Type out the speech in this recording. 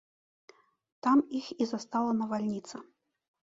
Там іх і застала навальніца.